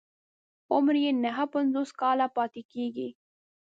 عمر يې نهه پنځوس کاله پاتې کېږي.